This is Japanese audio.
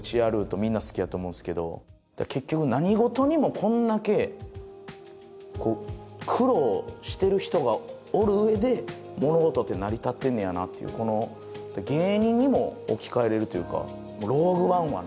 みんな好きやと思うんすけど結局何事にもこんだけ苦労してる人がおるうえで物事って成り立ってんねやなっていうこの芸人にも置き換えれるというか「ローグ・ワン」はね